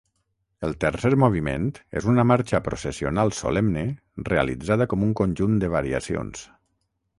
El tercer moviment és una marxa processional solemne realitzada com un conjunt de variacions.